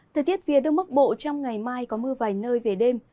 thời tiết phía đông bắc bộ trong ngày mai có mưa vài nơi về đêm